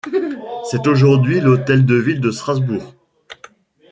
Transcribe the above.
C'est aujourd'hui l'hôtel de ville de Strasbourg.